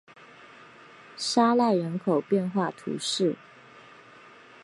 沙赖人口变化图示